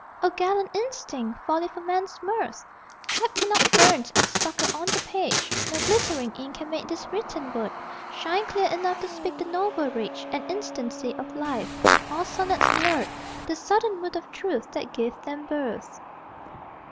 O gallant instinct, folly for men's mirth! Type cannot burn and sparkle on the page. No glittering ink can make this written word Shine clear enough to speak the noble rage And instancy of life. All sonnets blurred The sudden mood of truth that gave them birth.